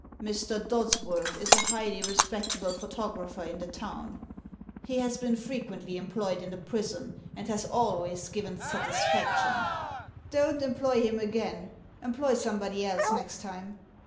"Mr. Dodsworth is a highly respectable photo grapher in the town. He has been frequently em ployed in the prison, and has always given satis faction." Don't employ him again. Employ somebody else next time.